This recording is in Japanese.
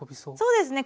そうですね。